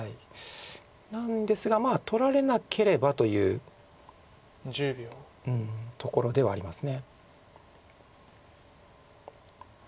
なんですが取られなければというところではあります。